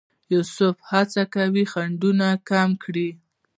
یونیسف هڅه کوي خنډونه کم کړي.